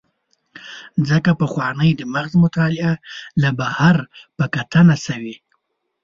ځکه پخوانۍ د مغز مطالعه له بهر په کتنه شوې.